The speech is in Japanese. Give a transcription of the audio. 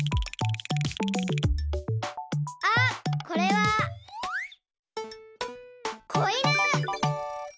あっこれはこいぬ！